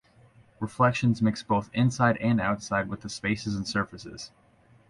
Reflections mix both inside and outside with the spaces and surfaces.